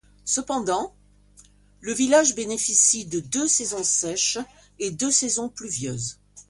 Cependant, le village bénéficie de deux saisons sèches et deux saisons pluvieuses.